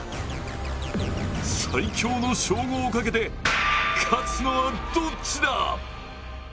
最強の称号をかけて、勝つのはどっちだ！